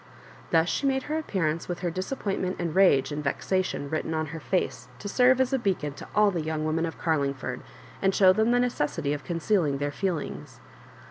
Thus she made her appearance with her disappointment and rage and vexation written on her face, to serve as a beacon to all the young women of Garlingford, and show them the necessity of concealing their feelings.